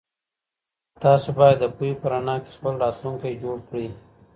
تاسو بايد د پوهي په رڼا کي خپل راتلونکی جوړ کړئ.